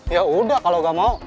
yaudah kalau gak mau